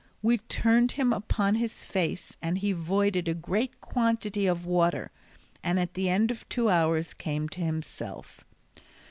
We turned him upon his face and he voided a great quantity of water, and at the end of two hours came to himself.